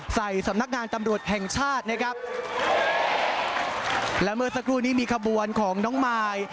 สำนักงานตำรวจแห่งชาตินะครับและเมื่อสักครู่นี้มีขบวนของน้องมาย